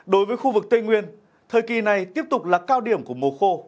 đối với khu vực tây nguyên thời kỳ này tiếp tục là cao điểm của mùa khô